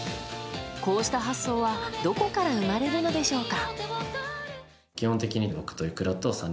こうした発想はどこから生まれるのでしょうか。